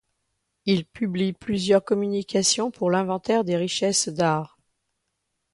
Il publie plusieurs communications pour l'inventaire des richesses d'art.